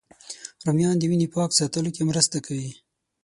رومیان د وینې پاک ساتلو کې مرسته کوي